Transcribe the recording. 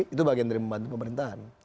itu bagian dari membantu pemerintahan